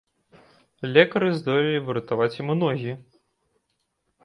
Лекары здолелі выратаваць яму ногі.